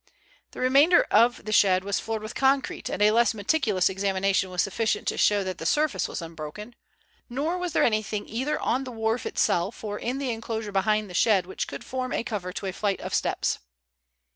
The remainder of the shed was floored with concrete, and a less meticulous examination was sufficient to show that the surface was unbroken. Nor was there anything either on the wharf itself or in the enclosure behind the shed which could form a cover to a flight of steps.